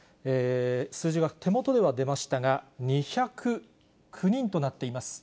数字が手元では出ましたが、２０９人となっています。